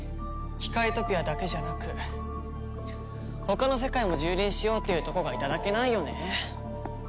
キカイトピアだけじゃなく他の世界も蹂躙しようっていうとこがいただけないよね。